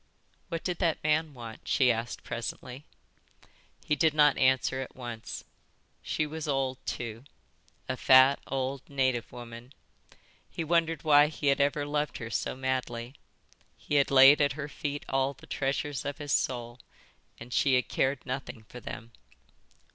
"What did that man want?" she asked presently. He did not answer at once. She was old too, a fat old native woman. He wondered why he had ever loved her so madly. He had laid at her feet all the treasures of his soul, and she had cared nothing for them.